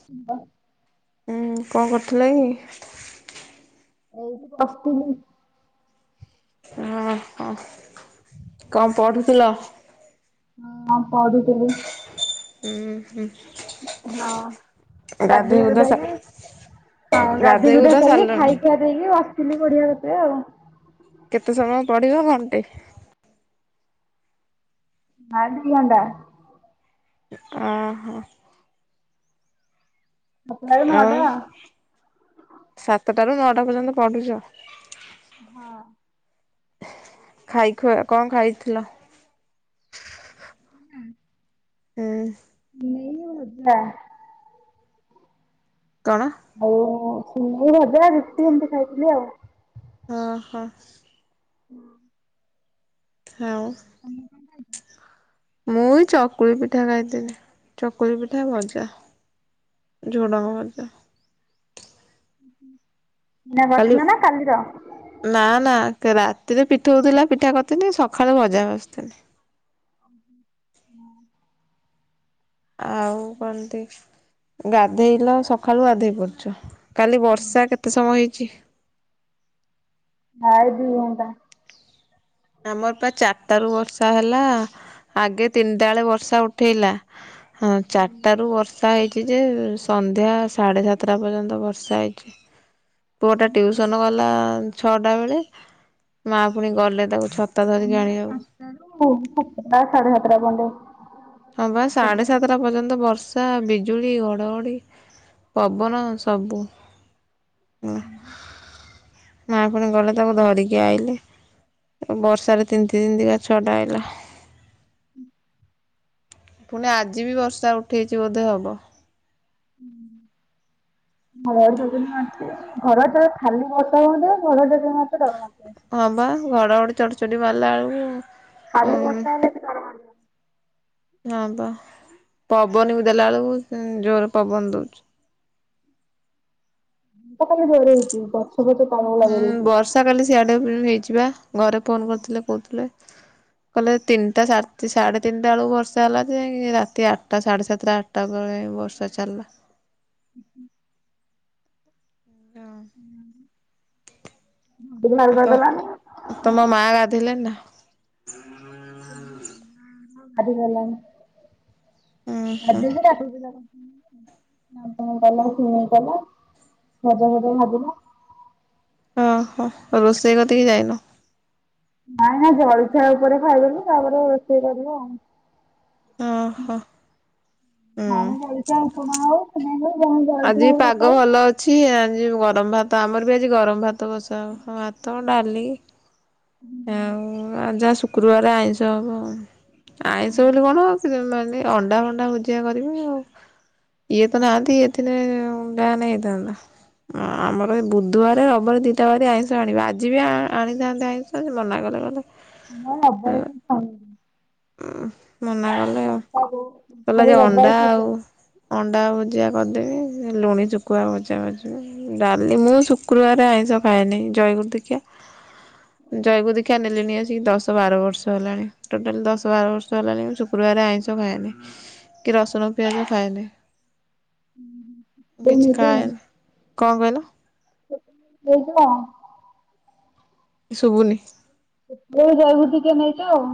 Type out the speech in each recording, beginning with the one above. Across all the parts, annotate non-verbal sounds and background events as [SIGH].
[INAUDIBLE] ଉଁ କଣ କରୁଥିଲ କି? ଏଇଠି ବସିଥିଲି। ହଁ କଣ ପଢୁଥିଲ? ହଁ ପଢ଼ୁଥିଲି। ହୁଁ ହୁଁ। ହଁ ଗାଧୋଇ ଗୁଧା ସା ଗୁଧାଇକି ହଁ ଗାଧୋଇ ଗୁଧେଇ ଗୁଧା ସାରିକି ସାରିଲଣି ଖାଇକି ଗାଧେଇକି ବସିଥିଲି ପଢ଼ିବା କତିରେ ଆଉ। କେତେ ସମୟ ପଢ଼ିବ ଘଣ୍ଟେ? ନାଇଁ ଦିଦି ଦି ଘଣ୍ଟା। ଓ ହୋ। ସାତଟାରୁ ଆଉ ନଅଟା ସାତଟାରୁୁ ନଅଟା ପର୍ଯ୍ୟନ୍ତ ପଢୁଛ? ହଁ। ଖାଇ ଖୁଆ କଣ ଖାଇଥିଲ? ହୁଁ। ନେଇଗଲା। କଣ? ଆଉ ସିମ୍ବ ଆଳୁ ଭଜା ରୁଟି ଏମିତି ଖାଇଥିଲି ଆଉ। ଓ ହୋ। ହୁଁ। ଆଉଁ। ମୁଁ ଏଇ ଚକୁଳି ପିଠା ଖାଇଥିଲି ଚକୁଳି ପିଠା ଭଜା ଝୁଡଙ୍ଗ ଭଜା। ଏଇନା କରିଥିଲ ନା କାଲିର? ନାଁ ନାଁ କାଲି ରାତିରେ ପିଠଉ ଥିଲା ପିଠା କରିଥିନି ସକାଳୁ ଭଜା ଭାଜିଥିନି। ହୁଁ ହୁଁ। ହଁ। ଆଉ କଣ କି ଗାଧେଇଲ ସକାଳୁ ଗାଧେଇ ପଡୁଛ? କାଲି ବର୍ଷା କେତେ ସମୟ ହେଇଛି? ପ୍ରାୟେ ଦି ଘଣ୍ଟା। ଆମର ପା ଚାରିଟାରୁ ବର୍ଷା ହେଲା ଆଗେ ତିନିଟା ବେଳେ ବର୍ଷା ଉଠେଇଲା। ହଁ ଚାରିଟାରୁ ବର୍ଷା ହେଇଛି ଯେ ସନ୍ଧ୍ୟା ସାଢ଼େ ସାତଟା ପର୍ଯ୍ୟନ୍ତ ବର୍ଷା ହେଇଛି। ପୁଅଟା ଟିଉସନ୍ ଗଲା ଛଅଟା ବେଳେ ମା ପୁଣି ଗଲେ ତାକୁ ଛତା ଧରିକି ଆମର ଆଣିବାକୁ। ପାଞ୍ଚଟାରୁ ପୁ ପୁରା ସାଢେ ସାତଟା ପର୍ଯ୍ୟନ୍ତ ହଁ ବା ସାଢେ ଘଡ଼ଘଡ଼ି ସାତଟା ପର୍ଯ୍ୟନ୍ତ ବର୍ଷ ର୍ଷା ବିଜୁଳି ଘଡ଼ଘଡ଼ି ପବନ ସବୁ। ହୁଁ। ମା ପୁଣି ଗଲେ ତାକୁ ଧରିକି ଆଇଲେ। ବର୍ଷା ରେ ତିନ୍ତି ତିନ୍ତିକା ଛୁଆଟା ଆଇଲା। ହୁଁ। ପୁଣି ଆଜି ବି ବର୍ଷା ଉଠେଇଛି ବୋଧେ ହବ। [INAUDIBLE] ଜୟ ଜଗନ୍ନାଥ ସିଏ। ଘଡଘଡିଟା ଖାଲି ବର୍ଷା ହୁଅନ୍ତା ଘଡ଼ଘଡ଼ିଟା ଯୋଉ ମାରୁଛି ଡର ମାଡୁଛି ବେସି। ହଁ ବା ଘଡ଼ଘଡ଼ି ଚ଼ଡଚଡି ମାରିଲା ବେଳକୁ ଖାଲି ଉଁ ବର୍ଷା ହେଲେ ଏତେ ଡର ମାଡିବନି। ହଁ ବା ପବନ ବି ଦେଲା ବେଳକୁ ଉଁ ଜୋରେ ପବନ ଦଉଛି। ମୁଁ ତ କହିଲି ଜୋରେ ହେଇଛି ଗଛ ଫଛ ତଳକୁ ଲଗେଇ ହୁଁ ଦେଇଛି। ବର୍ଷା କାଲି ସିଆଡେ ବି ହେଇଛିବା ଘରେ ଫୋନ୍ କରିଥିଲେ କହୁଥିଲେ। କହିଲେ ତିନିଟା ସାଢେ ତି ସାଢେ ତିନିଟା ବେଳୁ ବର୍ଷା ହେଲା ଯେ ରାତି ଆଟା ସାଢ଼େ ସାତଟା ଆ ଟା ବେଳେ ବର୍ଷା ଚାଡିଲା। ହୁଁ ହୁଁ। ହଁ। ଉଁ ବୁଲିବାକୁ ତ ଗଲନି? ଉଁ ତମ ମା ଗାଧେଇଲେଣି ନାଁ? ଆମ ମା ହଁ ଗାଧେଇ ସାରିଲାଣି ଉଁ ହୁଁ ଗାଧେଇ ସାରି ଆସିକି ଉଁ ଆଉ କଲାବେଳକୁ କଲା ଭଜା ଫଜା ଭାଜିଲା। ଓଁ ହୋ ରୋଷେଇ କତିକି ଯାଇନ। ନାଇଁ ନା ଜଳିଛିଆ ଉପରେ ଖାଇଦେଲୁ ତାପରେ ରୋଷେଇ କରିବ ଆଉ। ଅହ। ନାଇଁ ଜାଳିଖିଆ ଉପମା ହୋଉ ସିମେଇ ହୋଉ ଯାହାଲେ ଜାଳିଖିଆ ହୋଉ ସଖାଳୁ। ଛି ଆଜି ଗରମ ଭାତ ଆମର ବି ଆଜି ଗରମ ଭାତ ବସା ହବ ଭାତ ଡାଲି ହୁଁ। ଆଉ ଆ ଯାହା ଶୁକ୍ରବାର ଆଇଁଷ ହବ ଆ ଆଇଁଷ ବୋଲି କଣ ହବ ମାନେ ଅଣ୍ଡା ଫଣ୍ଡା ଭୁଜିଆ କରିବେ ଆଉ। ଇଏ ତ ନାହାନ୍ତି ଇଏ ଥିଲେ ଯାହାଲେ ହେଇଥାନ୍ତା। ଅ ଆମର ଏ ବୁଧବାର ରବାର ଦି ଟା ବାର ଆଇଁଷ ଆଣିବା ଆଜି ବି ଆଣିଥାନ୍ତେ ଆଇଁଷ ଆଜି ମନା କଲେ କହିଲେ ଆମର ରବି ବାରେ କେହି ଖାଉନୁ। ଉ ମନା କଲେ ଆଉ। ବାପା ବୋଉ କହିଲା ଯେ ଖାଲି ରବି ଅଣ୍ଡା ବାରେ ଆଉ ଛାଡିଛନ୍ତି ଅଣ୍ଡା ଭୁଜିଆ କରିଦେବି ଲୁଣି ସୁକୁୁଆ ଭଜା ଭାଜିବି। ଡାଲି ମୁଁ ଶୁକ୍ରବାର ଆଇଁଷ ଖାଏନି ଜୟଗୁରୁ ଦୀକ୍ଷା। ଜୟଗୁରୁ ଦୀକ୍ଷା ନେଲେଣି ଆସିକି ଦଶ ବାର ବର୍ଷ ହେଲାଣି ଟୋଟାଲ ଦଶ ବାର ବର୍ଷ ହେଲାଣି ମୁଁ ଶୁକ୍ରବାର ଆଇଁଷ ଖାଏନି କି ରସୁଣ ପିଆଜ ଖାଏନି। ବୋଉ କିଛି ମୁଁ ତ ଖାଏନି କଣ କହିଲ ସେଇ ତ ଶୁବୁନି। ମୁଁ ଏ ଜୟଗୁରୁ ଦୀକ୍ଷା ନେଇଚ ଆଉ।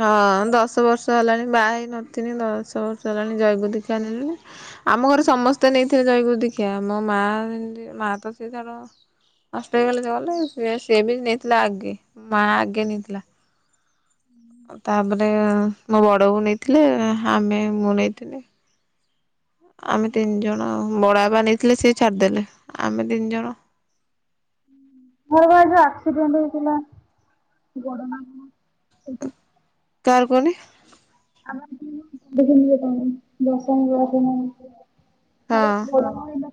ହଁ ଦଶ ବର୍ଷ ହେଲାଣି ବାହା ହେଇ ନଥିନି ଦଶ ବର୍ଷ ହେଲାଣି ଜୟଗୁରୁ ଦୀକ୍ଷା ନେଲିଣି। ଆମ ଘରେ ସମସ୍ତେ ନେଇଥିବେ ଜୟଗୁରୁ ଦୀକ୍ଷା ମୋ ମା ଇନ୍ତି ମା ତ ସିଏ ତାର ଅଷ୍ଟଗଲେ ଗଲେ ସିଏ ବି ନେଇଥିଲା ଆଗେ ମା ଆଗେ ନେଇଥିଲା। ଆଉ ତାପରେ ମୋ ବଡ଼ବୋଉ ନେଇଥିଲେ ଆମେ ମୁଁ ନେଇଥିଲି। ଆମେ ତିନି ଜଣ ବଡ଼ବାପା ନେଇଥିଲେ ସିଏ ଛାଡିଦେଲେ ଆମେ ତିନି ଜଣ ମୋର କଣ ଏବେ ଆକ୍ସିଡେଣ୍ଟ ହେଇଥିଲା ଗୋଡ଼ ନା କଣ ଏଇଟା। କାହାର କୁହନି। ଆମ [UNINTELLIGIBLE] ଦଶ। [UNINTELLIGIBLE] ହଁ [UNINTELLIGIBLE]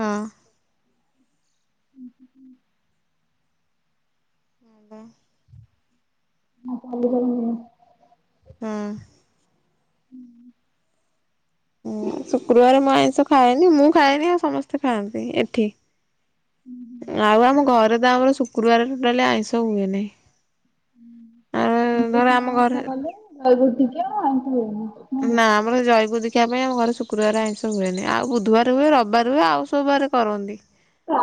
ହଁ। [INAUDIBLE] ମାନେ ନା କାଲି କଲେ ଭଲ ହବ। ହଁ। ହୁଁ। ଉଁ ଶୁକ୍ରୁବାରେ ମୁଁ ଆଇଁଷ ଖାଏନି ମୁଁ ଖାଏନି ଆଉ ସମସ୍ତେ ଖାଆନ୍ତି ଏଠି। ଆଉ ଆମ ଘରେ ତ ଆମର ଶୁକ୍ରବାରରେ ଟୋଟାଲି ଆଇଁଷ ହୁଏନି। ହୁଁ ସନ୍ତୋଷୀ ମା ଓଷା କଲେ ଜୟଗୁରୁ ଦୀକ୍ଷା ଏମିତି ଆଇଁଷ ହୁଏନି। ନା। ଆମର ଜୟଗୁରୁ ଦୀକ୍ଷା ପାଇଁ ଆମ ଘରେ ଶୁକ୍ରୁବାରେ ଆଇଁଷ ହୁଏନି ଆଉ ବୁଧବାର ହୁଏ ରବିବାର ହୁଏ ଆଉ ସବୁ ବାର କରନ୍ତି।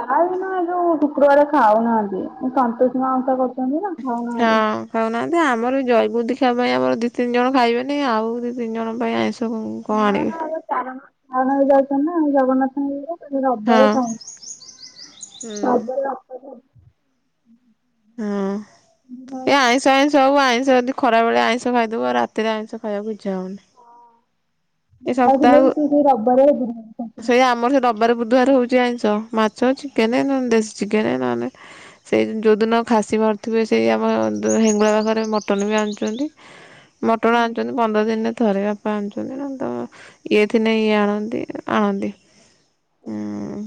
ଖାଏନା ଯୋଉ ଶୁକ୍ରୁବାର ଖାଉନାହାନ୍ତି ମୁଁ ସନ୍ତୋଷୀ ମା ଓଷା କରୁଛନ୍ତି ନା ଖାଉନାହାନ୍ତି। ହଁ ଖାଉନାହାନ୍ତି ଆମର ଜୟଗୁରୁ ଦୀକ୍ଷା ପାଇଁ ଆମର ଦି ତିନି ଜଣ ଖାଇବେନି ଆଉ ଦି ତିିନି ଜଣ ପାଇଁ ଆଇଁଷ କଣ ନା ଆଣିବେ ନା ଏ ଚାରଣ ଚାରଣରେ ଯାଉଛନ୍ତି ନା ଜଗନ୍ନାଥଙ୍କ ଇଏରେ ରବାରେ ହଁ ଖାଉନୁ ହଁ। ରବାରେ। [UNINTELLIGIBLE] ହଁ ଏ ଆଇ ସେନ୍ ସବୁ ଆଇଁଷ ଯଦି ଖରାବେଳେ ଆଇଁଷ ଖାଇଦୋବୁ ଆଉ ରାତିରେ ଆଇଁଷ ଖାଇବାକୁ ଇଚ୍ଛା ହୋଉନି। ଆଉ ଥିଲେ ବି ସେ ସେଇ ରବାରେ ଗୁରୁବାର ଓଷା। ସେଇ ଆମର ସେ ରବାରେ ବୁଧୁବାର ହୋଉଚି ଆଇଁଷ ମାଛ ଚିକେନ ନହେନେ ଦେଶୀ ଚିକେନ ନହେନେ ସେଇ ଯୋଉଦିନ ଖାସି ମାରୁଥିବେ ସେଇ ଆମ ଦ ହେଙ୍ଗୁଳା ପାଖରେ ମଟନ୍ ବି ଆଣୁଛନ୍ତି। ମଟନ୍ ଆଣୁଛନ୍ତି, ପନ୍ଦର ଦିନରେ ଥରେ ବାପା ଆଣୁଛନ୍ତି ନା ତ ଇଏ ଥିନେ ଇଏ ଆଣନ୍ତି, ଆଣନ୍ତି ଉଁ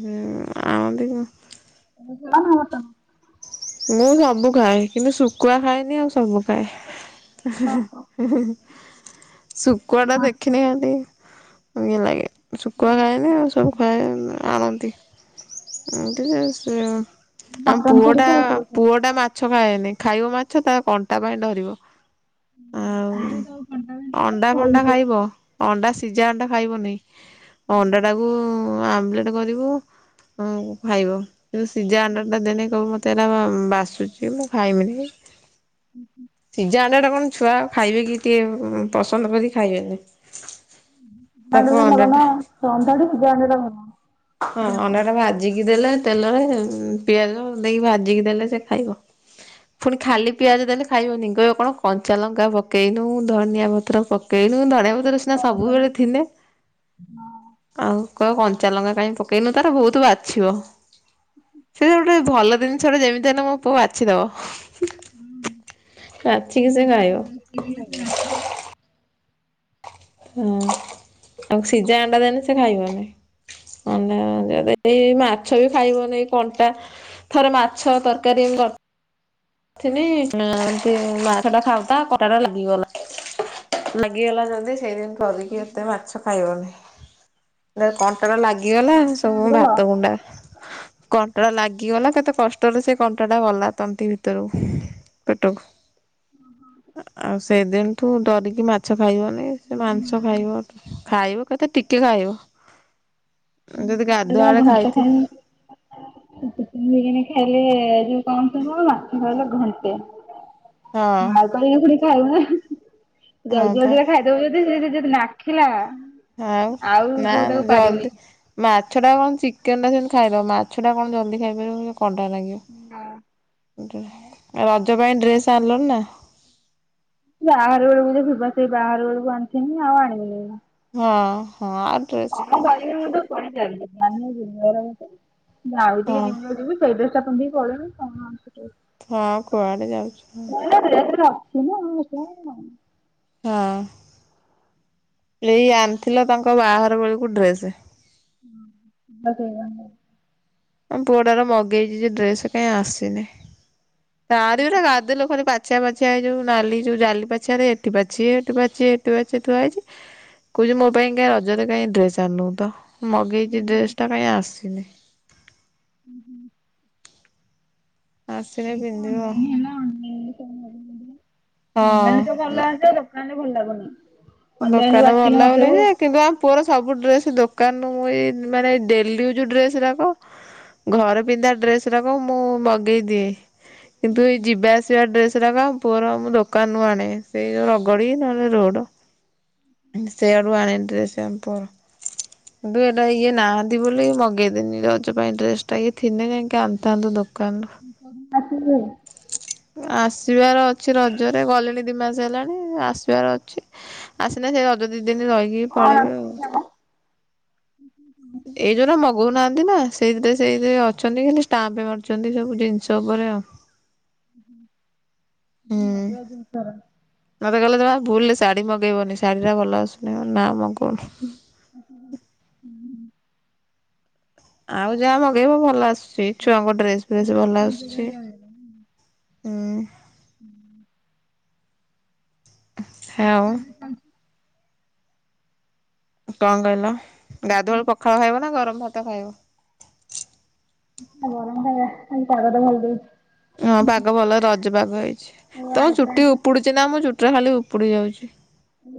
ହୁଁ। ଆଣନ୍ତି [UNINTELLIGIBLE] [UNINTELLIGIBLE] ନା ଭାତ ମୁଁ ସବୁ ଖାଏ, କିନ୍ତୁ ଶୁକୁଆ ଖାଏନି ଆଉ ସବୁ ଖାଏ। ଶୁକୁଆଟା ଦେଖିନେ ଏନ୍ତି ଇଏ ଲାଗେ, ଶୁକୁଆ ଖାଏନି। ଆଉ ସବୁ ଭାଇନା ଆଣନ୍ତି, ଆଣନ୍ତି ଯେ ସେ ମଟନ୍ [UNINTELLIGIBLE] ଗୋଟା ମାଛ ଖାଏନି, ଖାଇବ ମାଛ ତା କଣ୍ଟା ପାଇଁ ଡରିବ। ଆଉ ଅଣ୍ଡା ଫଣ୍ଡା ଖାଏ। ଖାଇବ। ଅଣ୍ଡା ସିଜା ଅଣ୍ଡା ଖାଇବନେଇ, ଅଣ୍ଡାଟାକୁ ଆମ୍ୱଲେଟ୍ କରିବ ଖାଇବ, କିନ୍ତୁ ସିଜା ଅଣ୍ଡାଟା ଦେନେ କହିବ ମ ମତେ ଏରା ବାସୁଚି, ମୁଁ ଖାଇବିନି। [INAUDIBLE] ସିଜା ଅଣ୍ଡାଟା କଣ ଛୁଆ ଖାଇବେ କି, ଟିକେ ପସନ୍ଦ କରି ଖାଇବେନି। [UNINTELLIGIBLE] ଭଲ ତାକୁ ଅଣ୍ଡା ନା ଟା ରନ୍ଧାଠୁ ସିଜା ଅଣ୍ଡାଟା ଭଲ। ହଁ ଅଣ୍ଡାଟା ଭାଜିକି ଦେଲେ ତେଲରେ, ପିଆଜ ଦେଇକି ଭାଜିକି ଦେଲେ ସେ ଖାଇବ। ଫୁଣି ଖାଲି ପିଆଜ ଦେଲେ ଖାଇବନି, କହିବ କଣ କଞ୍ଚା ଲଙ୍କା ପକେଇନୁ, ଧନିଆ ପତ୍ର ପକେଇନୁ, ଧଣିଆ ପତ୍ର ସିନା ଭଲ। ସବୁବେଳେ ଥିନେ, ଆଉ କ କଞ୍ଚାଲଙ୍କା କାଇଁ ପକେଇନୁ ତାର ବହୁତ ବାଛିବ। ସେ ଗୋଟେ ଭଲ ଜିନିଷ ଟେ, ଯେମିତି ହେଲେ ମୋ ପୁଅ ବାଛିଦବ। ବାଛିକି ସେ ଖାଇବ। [UNINTELLIGIBLE] ହୁଁ ଆଉ ସିଜା ଅଣ୍ଡା ଦେଲେ ସେ ଖାଇବନି। ସନ୍ଧ୍ୟା ଫନ୍ଧ୍ୟା ଦେଇ, ଏଇ ମାଛ [UNINTELLIGIBLE] ଖାଇବନେଇ କଣ୍ଟା, ଥରେ ମାଛ ତର୍କାରୀ ମୁଁ କର୍ ଥିଲି ଏମ୍ତି ମାଛଟା ଖାଉତା କଣ୍ଟାଟା ଲାଗିଗଲା। ଲାଗିଗଲା ଜଲ୍ଦି ସେଇଦିନୁ ଠୁ ଡରିକି ଏତେ ମାଛ ଖାଇହଉନି। ନେ କନ୍ କଣ୍ଟା ଟା ଲାଗିଗଲା, ସବୁ ଆଣିଦେଲ ଭାତ ଗୁଣ୍ଡା କଣ୍ଟାଟା ଲାଗିଗଲା, କେତେ କଷ୍ଟରେ ସେ କଣ୍ଟାଟା ଗଲା ତଣ୍ଟି ଭି ତରୁକୁ ପେଟକୁ। ଆଉ ସେଇ ଦିନ୍ ଠୁ ଡରିକି ମାଛ ଖାଇବନି, ସେ ମାଂସ ଖାଇବ। ଖାଇବ କେତେ ଟିକେ ଖାଇବ। ଯଦି ଉଁ - ଗାଧୁଆବେଳେ ହୁଁ [UNINTELLIGIBLE] ଖାଇଥିବ ଚିକେନ୍ ଫିକେନ୍ ଖାଇଲେ ଯୋଉ କମ୍ ସମୟ, ମାଛ ଖାଇଲେ ଘଣ୍ଟେ। ହଁ ମାଉ [UNINTELLIGIBLE] ଖାଇବ ନା ଜଲ୍ଦି ହଁ ପା ଜଲ୍ଦିକା ଖାଇଦବ ଯଦି ସେ ଯଦି ନାଖିଲା ଆଉ ନା ଯୋଉ ମ ତାକୁ ପାରିବୁନି। ଜଲ୍ଦି ମାଛଟା କଣ ଚିକେନ୍ ଟା ସେନ୍ତି ଖାଇଦବ, ମାଛଟା କଣ ଜଲ୍ଦି ଖାଇପାରିବ କି କଣ୍ଟା ଲାଗିବ। ନାଁ। ରଜ ପାଇଁ ଡ୍ରେସ୍ ଆଣିଲଣି ନାଁ? ବାହାଘର ବେଳକୁ ଯେ [UNINTELLIGIBLE] ଭାଇ ବାହାଘର ବେଳକୁ ଆଣିଥିନି ଆଉ ଆଣିବିନି ଏଇନା। ହଁ- ହଁ ଆ କଣ କରିବି ମୁଁ ତ କୁଆଡ଼େ ଯାଉନି, ହଁ [UNINTELLIGIBLE] ଯିବି ସେଇ ଡ୍ରେସ୍ ଟା ପିନ୍ଧିକି ପଳେଇବି, କଣ ଆଉ [UNINTELLIGIBLE] ହଁ କୁଆଡେ ଯାଉଛୁ ଆଉ। [UNINTELLIGIBLE] ଅଛି ନା ଆଉ [UNINTELLIGIBLE] ହଁ ଏଇ ଆଣିଥିଲ ତାଙ୍କ ବାହାଘର ବେଳକୁ ଡ୍ରେସ। [UNINTELLIGIBLE] ଆମ୍ ପୁଅଟାର ମଗେଇଛି ଯେ ଡ୍ରେସ୍ କାଇଁ ଆସିନି, ତାରି [UNINTELLIGIBLE] ଛିଆ ପାଛିଆ ଏଇ ଯୋଉ ନାଲି ଯୋଉ ଜାଲି ପାଛିଆରେ ଏଠି ପାଛିଏ ହେଠି ପାଛିଏ ହେଠି ପାଛିଏ ଥୁଆ ହେଇଚି। କହୁଚି ମୋ ପାଇଁ କାଇଁ ରଜରେ କାଇଁ ଡ୍ରେସ ଆଣିନୁ ତ। ମଗେଇଚି ଡ୍ରେସଟା କାଇଁ ଆସିନି। ହୁଁ ହୁଁ। ଆସିଲେ ଏଇ ଯୋଉ ପିନ୍ଧିବ ଅନଲାଇନ୍ ହେଲା। [UNINTELLIGIBLE] ହଁ ତାହାଲେ ଭଲ୍ ଲାଗୁନି। ଅନଲାଇନ ଦୋକାନ ବାଛିକି ଭଲ ଲାଗୁନି ମଗେଇବୁ ଯେ କିନ୍ତୁ ଆମ ପୁଅର ସବୁ ଡ୍ରେସ୍ ଦୋକାନରୁୁ ମୁଁ ଏଇ ମାନେ ଡେଲି ୟୁଜ୍ ଡ୍ରେସ୍ ରାକ ଘର ପିନ୍ଧା ଡ୍ରେସ୍ ରାକ ମୁଁ ମଗେଇଦିଏ। କିନ୍ତୁ ଏଇ ଯିବା ଆସିବା ଡ୍ରେସ୍ ରାକ ପୁଅର ମୁଁ ଦୋକାନରୁ ଆଣେ। ସେଇ ଯୋଉ ରଗଡ଼ି ନହେଲେ ରୋଡ଼। ସେଆଡୁ ଆଣେ ଡ୍ରେସ୍ ଆମ୍ ପୁଅର। କିନ୍ତୁ ଏଇଟା ଇଏ ନାହାନ୍ତି ବୋଲି ମଗେଇ ତିନି ରଜ ପାଇଁ ଡ୍ରେସ୍ ଟା। ଇଏ ଥିଲେ ଯାଇକି ଆଣିଥାନ୍ତୁ ଦୋକାନରୁ। [UNINTELLIGIBLE] ଆସିବେ? ଆସିବାର ଅଛି ରଜରେ ଗଲେଣି ଦିମାସେ ହେଲାଣି ଆସିବାର ଅଛି। ଆସିଲେ ସେ ରଜ ଦି ଦିନ ରହିକି ପଳେଇବେ ଆଉ। ଉଁ ହୁଁ। ଏଇ ଯୋଉରା ମଗଉନାହାନ୍ତି ନା ସେଇଥିରେ ସେଇଥିରେ ଅଛନ୍ତି ଖାଲି ଷ୍ଟାମ୍ପ ମାରୁଛନ୍ତି ସବୁ ଜିନିଷ ଉପରେ ଆଉ। ହୁଁ। [UNINTELLIGIBLE] ମତେ କହିଲେ ତମେ ଭୁଲରେ ଶାଢୀ ମଗେଇବନି ଶାଢ଼ୀରା ଭଲ ଆସୁନି। ନାଁ ମଗଉନି। [INAUDIBLE] ଆଉ ଯାହା ମଗେଇବ ଭଲ ଆସୁଚି। ଛୁଆଙ୍କ ଡ୍ରେସ ଫ୍ରେସ ଭଲ ଆସୁଚି। ହୁଁ। [INAUDIBLE] ଆଉ [UNINTELLIGIBLE] କଣ କହିଲ ଗାଧୁଆଳ ପଖାଳ ଖାଇବ ନା ଗରମ ଭାତ ଖାଇବ? ଗରମ ଖାଇବା ଆଜି ପାଗ ଟା ଭଲ ଦେଇଚି। ହଁ ପାଗ ଭଲ ରଜ ପାଗ ହେଇଚି। ମୁଁ ତମ ଆଇଁଷ ଚୁଟି ଫାଇଁଷ ଉପୁଡୁଚି ନା ମୋ ଚୁଟିରା ଖାଲି ଉପୁଡି ଯାଉଚି।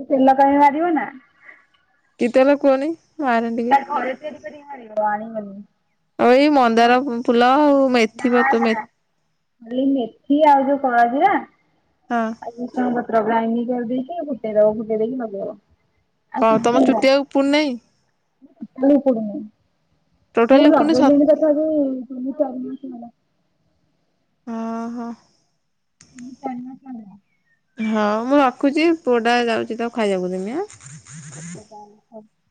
ତେଲ କାଇଁ ମାରିବ ନା। କେତେ ହେଲା କୁହନି? [UNINTELLIGIBLE] ଟିକେ ତା ଘରେ ତିଆରି କରିକି ମାରିବ ଆଣିବନି। ଆଉ ଏଇ ମନ୍ଦାର ଫୁଲ ଆଉ। ମେଥି ନା ପତ୍ର ନା ମେ ଏଇ ମେଥି ଆଉ ଯୋଉ କଳା ଜିରା। ହଁ। ଆଉ ଭୃସଙ୍ଗ ପତ୍ର ଗ୍ରାଇଣ୍ଡିଙ୍ଗ କରି ଦେଇକି ଫୁଟେଇ ଦବ ଫୁଟେଇଦେଇକି ଲଗେଇବ। ଆଉ କଣ କିଛି ତମ ନୁହଁ ଚୁଟି ଆଉ ଉପୁଡୁ ନେଇ? ଉପୁଡୁନି। ମୁଁ ଟୋଟାଲି ଉପୁଡୁନି ସତ ଲଗେଇଲିଣି ତଥାପିି ତିନି ଚାରି ମାସ ହେଲା। ଅ ହ। [UNINTELLIGIBLE] ହଁ ମୁଁ ରଖୁଚି ପୁଅ ଟା ଯାଉଚି ତାକୁ ଖାଇବାକୁ ଦେମି ଆଁ। [UNINTELLIGIBLE]